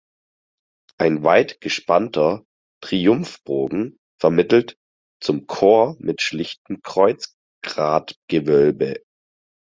Ein weit gespannter Triumphbogen vermittelt zum Chor mit schlichtem Kreuzgratgewölbe.